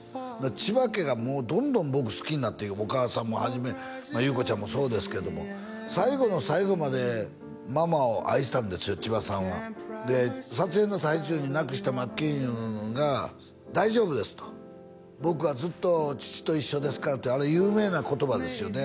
千葉家がもうどんどん僕好きになっていくお母さんをはじめ裕子ちゃんもそうですけれども最後の最後までママを愛したんですよ千葉さんはで撮影の最中に亡くした真剣佑が「大丈夫です」と「僕はずっと父と一緒ですから」ってあれ有名な言葉ですよね